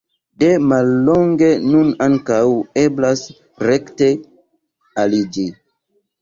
De mallonge nun ankaŭ eblas rekte aliĝi.